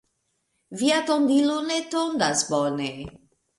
Via tondilo ne tondas bone.